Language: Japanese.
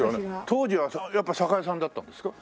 当時はやっぱ酒屋さんだったんですか？